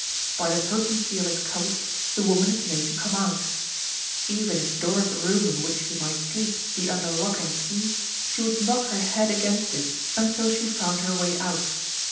By the potency of his cult, the woman is made to come out. Even if the door of the room in which she might sleep be under lock and key, she would knock her head against it until she found her way out.